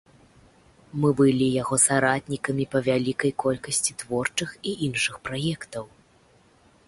Мы былі яго саратнікамі па вялікай колькасці творчых і іншых праектаў.